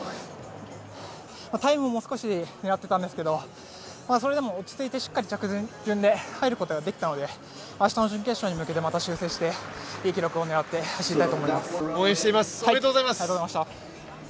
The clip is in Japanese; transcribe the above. タイムも少し狙っていたんですけどそれでも落ち着いて着順で入ることができたので明日の準決勝に向けてまた修正して、いい記録に向けて走りたいなと思います。